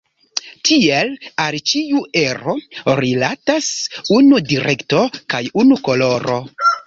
Tiel al ĉiu ero rilatas unu direkto kaj unu koloro.